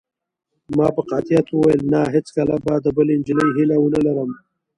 ما په قاطعیت وویل: نه، هیڅکله به د بلې نجلۍ هیله ونه لرم.